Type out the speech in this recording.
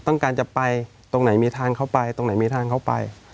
ต้องการจะไปตรงไหนมีทางเข้าไปตรงไหนมีทางเข้าไป